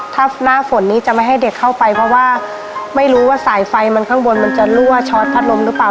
ถ้าหน้าฝนนี้จะไม่ให้เด็กเข้าไปเพราะว่าไม่รู้ว่าสายไฟมันข้างบนมันจะรั่วชอตพัดลมหรือเปล่า